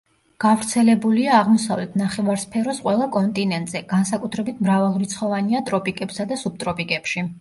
გავრცელებულია აღმოსავლეთ ნახევარსფეროს ყველა კონტინენტზე, განსაკუთრებით მრავალრიცხოვანია ტროპიკებსა და სუბტროპიკებში.